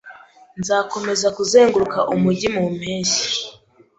Nzakomeza kuzenguruka umujyi mu mpeshyi.